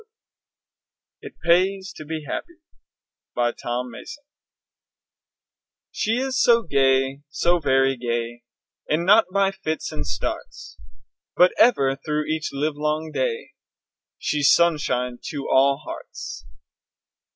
IT PAYS TO BE HAPPY BY TOM MASSON She is so gay, so very gay, And not by fits and starts, But ever, through each livelong day She's sunshine to all hearts.